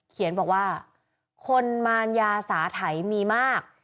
เขียนบอกว่าคนมารยาสาไถมีมาก